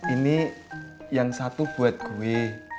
ini yang satu buat gue